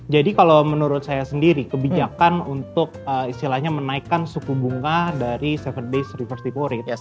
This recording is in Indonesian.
jadi kalau menurut saya sendiri kebijakan untuk istilahnya menaikkan suku bunga dari tujuh days reverse depo rate